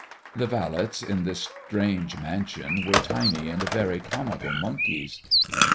The valets in this strange mansion were tiny and very comical monkeys.